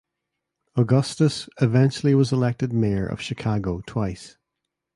Augustus eventually was elected mayor of Chicago twice.